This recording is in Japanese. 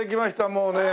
もうね。